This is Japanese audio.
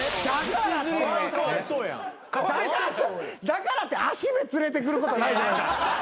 だからってあしべ連れてくることないじゃない。